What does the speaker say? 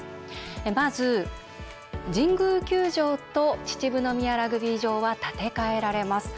まず、神宮球場と秩父宮ラグビー場は建て替えられます。